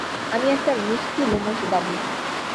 আমি একটা মিষ্টি লোমশ বাবু।